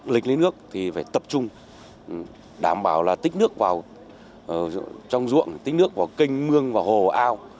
lịch lấy nước thì phải tập trung đảm bảo là tích nước vào trong ruộng tích nước vào kênh mương vào hồ ao